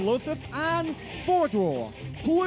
และแพ้๒๐ไฟ